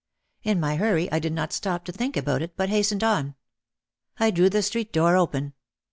In my hurry I did not stop to think about it but hastened on. I drew the street door open.